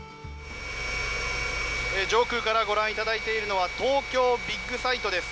上空からご覧いただいているのは東京ビッグサイトです。